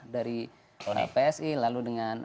dari psi lalu dengan